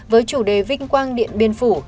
với chủ đề vinh quang điện biên phủ